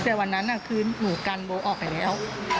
แต่วันนั้นคือหนูกันโบออกไปแล้ว